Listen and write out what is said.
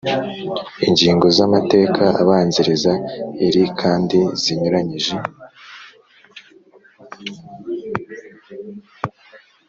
Ingingo z amateka abanziriza iri kandi zinyuranyije